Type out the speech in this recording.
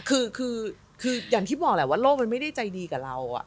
คืออย่างที่บอกแหละว่าโลกมันไม่ได้ใจดีกับเรา